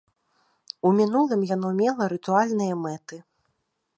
У мінулым яно мела рытуальныя мэты.